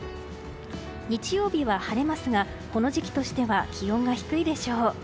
日曜日は晴れますがこの時期としては気温が低いでしょう。